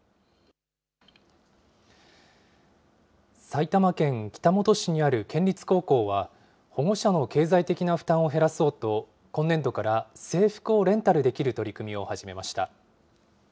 埼玉県北本市にある県立高校は、保護者の経済的な負担を減らそうと、今年度から制服をレンタルできる取り組みを始めました。